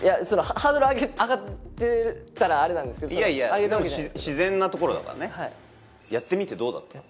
ハードル上がってたらあれなんですけどいやいや自然なところだからねやってみてどうだった？